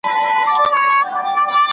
ادبي څېړنو ته د مهمي هڅې په سترګه کتل کیږي.